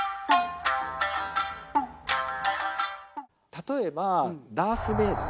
例えばダースベイダー。